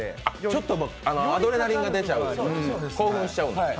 ちょっとアドレナリンが出ちゃう、興奮しちゃう？